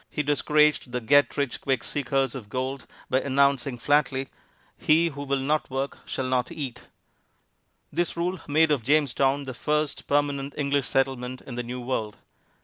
he discouraged the get rich quick seekers of gold by announcing flatly, "He who will not work shall not eat." This rule made of Jamestown the first permanent English settlement in the New World.